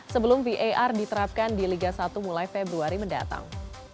sebelum var diterapkan di liga satu mulai februari mendatang